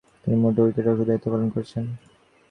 তিনি মূলতঃ উইকেট-রক্ষকের দায়িত্ব পালন করেছেন।